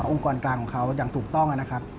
องค์กรกลางของเขาอย่างถูกต้องนะครับ